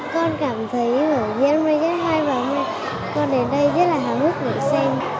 con cảm thấy vở diễn này rất hay và con đến đây rất là hào hức để xem